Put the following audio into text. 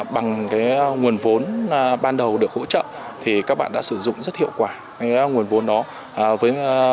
bằng nguồn vốn ban đầu được hỗ trợ thì các bạn đã sử dụng rất hiệu quả nguồn vốn đó